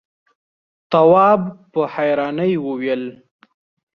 تواب په حيرانی وويل: